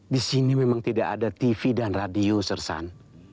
di sini memang tidak ada tv dan radio sersan